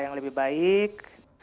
yang lebih baik